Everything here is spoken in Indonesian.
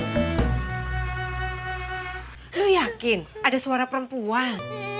aku yakin ada suara perempuan